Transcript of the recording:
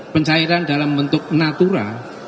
pencairan dalam bentuk natura